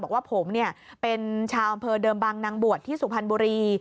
บอกว่าผมเป็นชาวอำเภอเดิมบางนางบวชที่สุพรรณบุรี